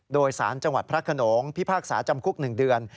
โดยสารจังหวัดพระขนงพิพากษาจำคุก๑เดือน